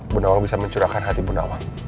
bu nawang bisa mencurahkan hati bu nawang